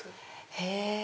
へぇ。